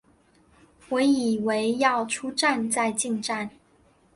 我以为要出站再进站